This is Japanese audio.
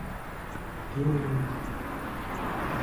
牛乳